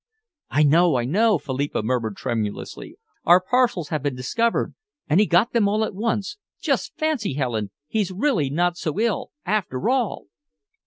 "I know I know," Philippa murmured tremulously. "Our parcels have been discovered, and he got them all at once. Just fancy, Helen, he's really not so ill, after all!"